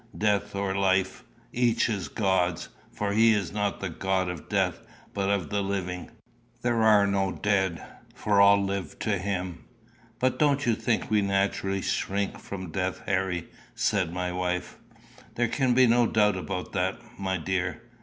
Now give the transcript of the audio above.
Death or Life each is God's; for he is not the God of the dead, but of the living: there are no dead, for all live to him." "But don't you think we naturally shrink from death, Harry?" said my wife. "There can be no doubt about that, my dear."